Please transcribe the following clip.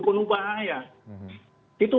penuh bahaya itu